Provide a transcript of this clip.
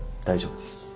大丈夫です。